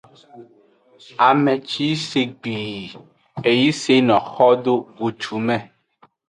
Ame ci yi se gbii, e yi seno xo do godu me.